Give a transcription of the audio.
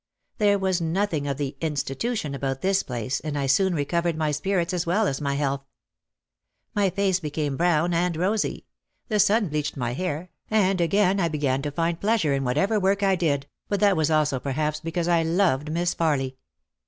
There was nothing of the "institution" about this place and I soon recovered my spirits as well as my health. My face became brown and rosy. The sun bleached my hair, and again I began to find pleasure in whatever work I did but that was also perhaps because I loved Miss Farly.